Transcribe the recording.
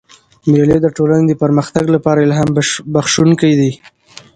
مېلې د ټولني د پرمختګ له پاره الهام بخښونکي دي.